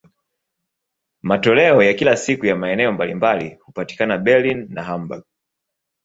Matoleo ya kila siku ya maeneo mbalimbali hupatikana Berlin na Hamburg.